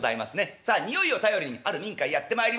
さあ匂いを頼りにある民家へやって参りますと。